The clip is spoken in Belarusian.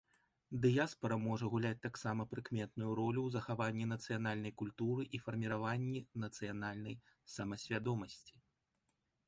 Дыяспара можа гуляць таксама прыкметную ролю ў захаванні нацыянальнай культуры і фарміраванні нацыянальнай самасвядомасці.